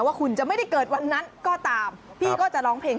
ว่าคุณจะไม่ได้เกิดวันนั้นก็ตามพี่ก็จะร้องเพลง